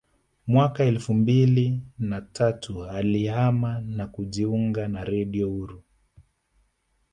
Mwaka elfu mbili na tatu alihama na kujiunga na Redio Uhuru